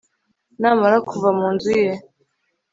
namara kuva mu nzu ye